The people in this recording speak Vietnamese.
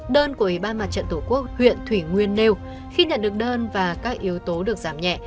đơn của ủy ban mặt trận tổ quốc huyện thủy nguyên nêu khi nhận được đơn và các yếu tố được giảm nhẹ